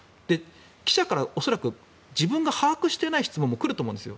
記者から恐らく自分が把握していない質問も来ると思うんです。